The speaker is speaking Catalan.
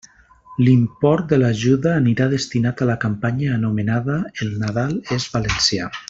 L'import de l'ajuda anirà destinat a la campanya anomenada «El Nadal és valencià».